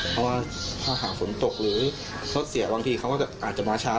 เพราะถ้าหาฝนตกหรือรถเสียเวลาเขาอาจจะมาช้า